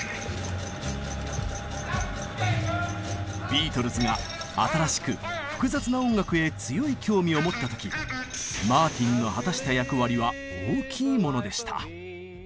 ビートルズが新しく複雑な音楽へ強い興味を持った時マーティンの果たした役割は大きいものでした。